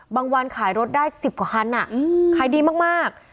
วันขายรถได้๑๐กว่าคันขายดีมาก